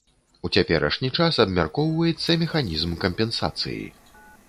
У цяперашні час абмяркоўваецца механізм кампенсацыі.